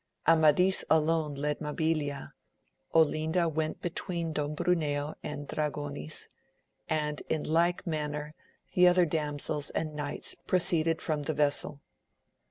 Amadis alone led Mabilia, Olinda went between Don Bruneo and Dra gonis; and in like manner the other damsels and knights proceeded from the vessel.